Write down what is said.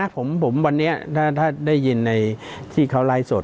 ผมผมวันนี้ถ้าถ้าได้ยินในที่เขารายสด